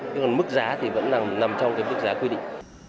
nhưng mà mức giá thì vẫn là nằm trong cái mức giá quy định